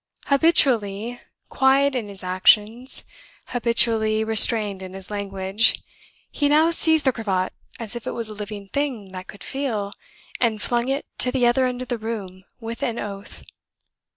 Habitually quiet in his actions, habitually restrained in his language, he now seized the cravat as if it was a living thing that could feel, and flung it to the other end of the room with an oath.